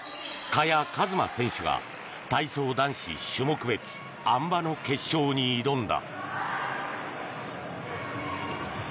萱和磨選手が体操男子種目別あん馬の決勝に挑んだ。